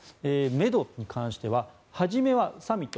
めどに関しては初めはサミット